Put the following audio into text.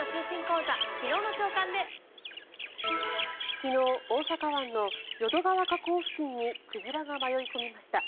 昨日大阪湾の淀川河口付近に鯨が迷い込みました。